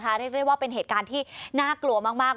เรียกได้ว่าเป็นเหตุการณ์ที่น่ากลัวมาก